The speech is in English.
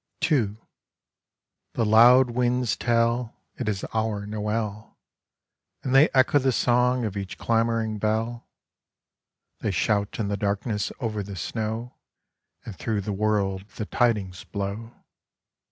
NOtLl II The loud winds tell It is our Noel, And they echo the song of each clamouring bell. They shout in the darkness over the snow, And through the world the tidings blow.